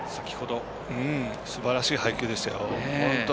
すばらしい配球でしたよ。